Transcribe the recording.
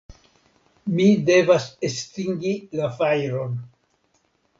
Mi devas estingi la fajron.